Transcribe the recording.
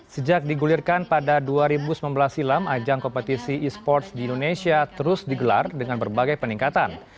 sejak digulirkan pada dua ribu sembilan belas silam ajang kompetisi e sports di indonesia terus digelar dengan berbagai peningkatan